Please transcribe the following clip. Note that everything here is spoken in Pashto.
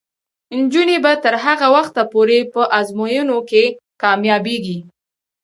نجونې به تر هغه وخته پورې په ازموینو کې کامیابیږي.